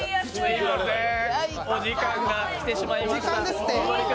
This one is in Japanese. お時間がきてしまいました。